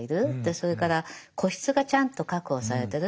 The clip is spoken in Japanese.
それから個室がちゃんと確保されてる。